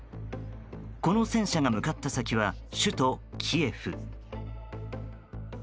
この戦車が向かった先は首都キエフ。